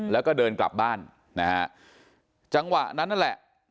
แล้วก็เดินกลับบ้านนะฮะจังหวะนั้นนั่นแหละ